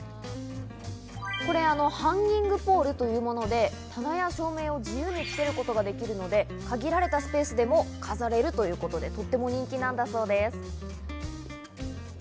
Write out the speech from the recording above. これはハンギングポールというもので、棚や照明を自由につけることができるので、限られたスペースでも飾れるということでとっても人気なんだそうです。